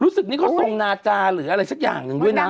รู้สึกนี้เขาทรงนาจาหรืออะไรสักอย่างหนึ่งด้วยนะ